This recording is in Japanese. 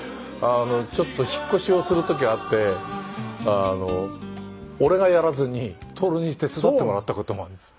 ちょっと引っ越しをする時あって俺がやらずに徹に手伝ってもらった事もあるんですよ。